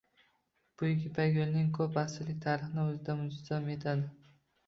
Buyuk Ipak yoʻlining koʻp asrlik tarixini oʻzida mujassam etadi.